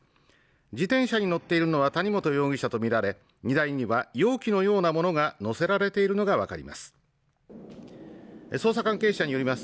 自転車に乗っているのは谷本容疑者とみられ荷台には容器のようなものが載せられているのが分かります